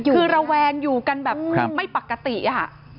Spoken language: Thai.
คือระแวงอยู่กันแบบไม่ปกติอะค่ะ